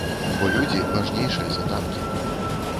Бо людзі важнейшыя за танкі.